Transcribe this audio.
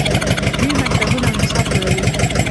دوی مکتبونه او نصاب جوړوي.